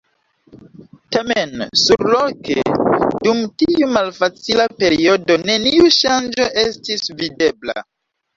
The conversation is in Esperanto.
Tamen, surloke, dum tiu malfacila periodo, neniu ŝanĝo estis videbla.